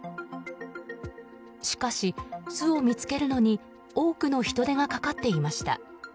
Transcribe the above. しかし、巣を見つけるのに多くの人手がかかっていました。